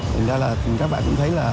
thì các bạn cũng thấy là